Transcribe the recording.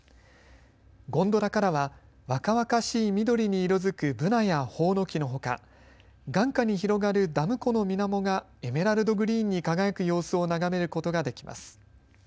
ゴンドラからは若々しい緑に色づくブナやホウノキのほか眼下に広がるダム湖のみなもがエメラルドグリーンに輝く様子を眺めることができます。